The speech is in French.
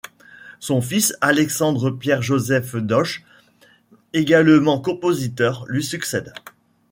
Son fils Alexandre-Pierre-Joseph Doche, également compositeur, lui succède.